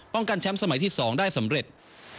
กันแชมป์สมัยที่๒ได้สำเร็จ